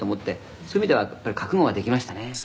「そういう意味では覚悟はできましたね」